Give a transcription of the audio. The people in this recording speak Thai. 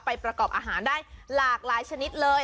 ประกอบอาหารได้หลากหลายชนิดเลย